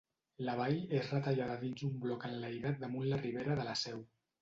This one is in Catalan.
La vall és retallada dins un bloc enlairat damunt la ribera de la Seu.